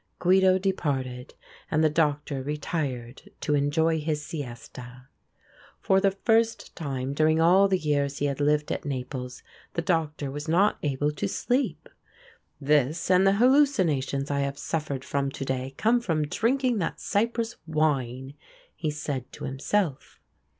Guido departed and the Doctor retired to enjoy his siesta. For the first time during all the years he had lived at Naples the Doctor was not able to sleep. "This and the hallucinations I have suffered from to day come from drinking that Cyprus wine," he said to himself.